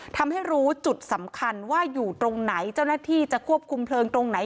ทำให้รู้จุดสำคัญว่าอยู่ตรงไหนเจ้าหน้าที่จะควบคุมเพลิงตรงไหน